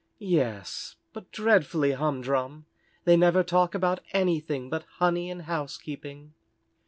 "Yes, but dreadfully humdrum. They never talk about anything but honey and housekeeping."